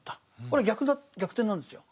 これ逆転なんですよ。